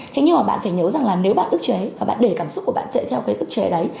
thế nhưng mà bạn phải nhớ rằng là nếu bạn ức chế và bạn để cảm xúc của bạn chạy theo cái ức chế đấy